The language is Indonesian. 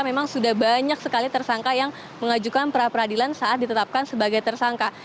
memang sudah banyak sekali tersangka yang mengajukan perapradilan saat ditetapkan sebagai tersangka